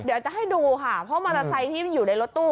เดี๋ยวจะให้ดูค่ะเพราะมอเตอร์ไซค์ที่อยู่ในรถตู้